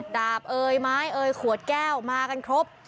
ดาบเอ่ยไม้เอ่ยขวดแก้วมากันครบ